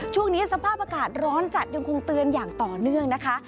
ช่วงนี้สภาพอากาศร้อนจัดยังคงเตือนอย่างต่อเนื่องนะคะ